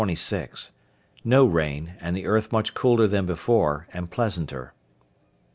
—No rain, and the earth much cooler than before, and pleasanter. _Dec.